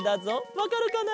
わかるかな？